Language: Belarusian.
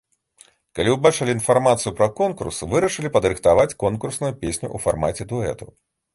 Калі ўбачылі інфармацыю пра конкурс, вырашылі падрыхтаваць конкурсную песню ў фармаце дуэту.